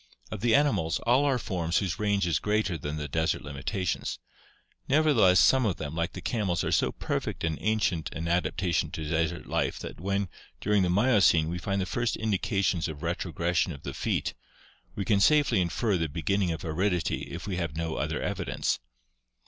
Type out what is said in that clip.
Of the animals, all are forms whose range is greater than the desert limitations; nevertheless some of them, like the camels, are so perfect and ancient an adaptation to desert life that when, during the Miocene, we find the first indications of retrogression of the feet (see Chapter XXXVI) we can safely infer the beginning of aridity if we have no other evidence.